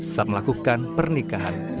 setelah melakukan pernikahan